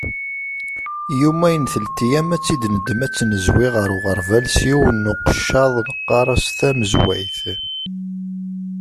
Yumayen, telteyyam, ad tt-id-neddem, ad tt-nezwi ɣer uɣerbal, s yiwen n uqeccaḍ neqqar-as tamezwayt.